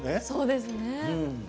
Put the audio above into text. そうですね。